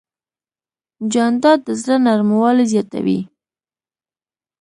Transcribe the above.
جانداد د زړه نرموالی زیاتوي.